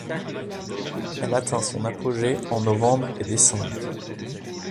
Elle atteint son apogée en novembre et décembre.